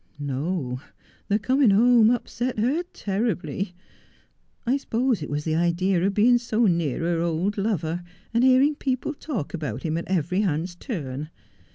' No, the coming home upset her terribly. I suppose it was the idea of being so near her old lover, and hearing people talk about him at every hand's turn.